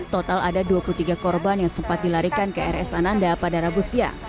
total ada dua puluh tiga korban yang sempat dilarikan ke rs ananda pada rabu siang